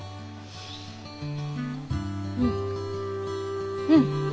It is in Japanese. うんうん！